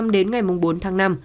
đến ngày bốn tháng năm